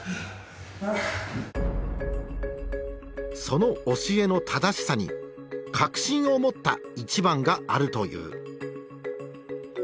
その教えの正しさに確信を持った一番があるという。